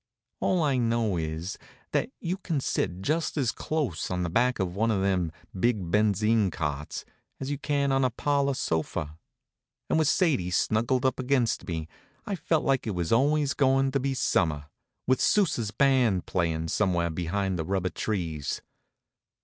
All I know is that you can sit just as close on the back seat of one of them big benzine carts as you can on a parlor sofa; and with Sadie snuggled up against me I felt like it was always goin' to be summer, with Sousa's band playin' somewhere behind the rubber trees.